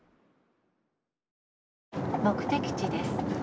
「目的地です」。